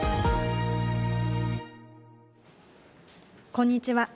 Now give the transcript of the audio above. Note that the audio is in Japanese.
こんにちは。